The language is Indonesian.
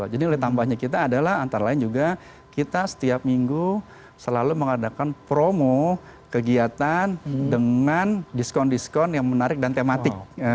jadi nilai tambahnya kita adalah antara lain juga kita setiap minggu selalu mengadakan promo kegiatan dengan diskon diskon yang menarik dan tematik